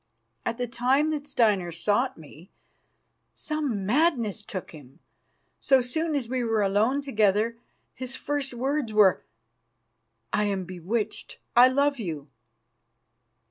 At the time that Steinar sought me, some madness took him. So soon as we were alone together, his first words were: 'I am bewitched. I love you.